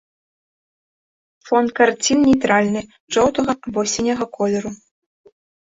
Фон карцін нейтральны, жоўтага або сіняга колеру.